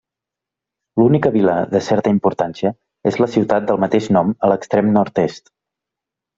L'única vila de certa importància és la ciutat del mateix nom a l'extrem nord-est.